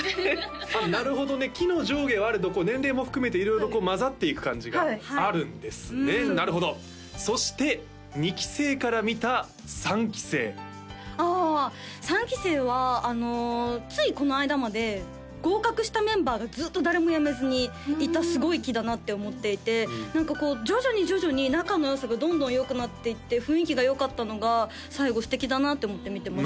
あっなるほどね期の上下はあれど年齢も含めて色々こう交ざっていく感じがはいあるんですねなるほどそして２期生から見た３期生あ３期生はついこの間まで合格したメンバーがずっと誰も辞めずにいたすごい期だなって思っていて何かこう徐々に徐々に仲の良さがどんどん良くなっていって雰囲気が良かったのが最後素敵だなって思って見てました